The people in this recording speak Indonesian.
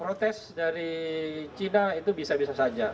protes dari cina itu bisa bisa saja